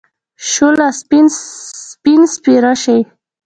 شوله! سپين سپيره شې.